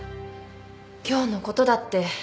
今日のことだって。